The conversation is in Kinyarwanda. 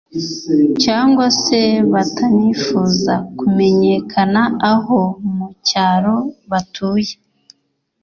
cyangwa se batanifuza kumenyekana aho mu cyaro batuye